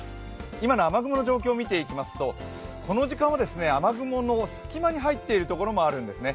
今の雨雲の状況を見ていきますと、この時間は雨雲の隙間に入っているところもあるんですね。